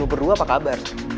lo berdua apa kabar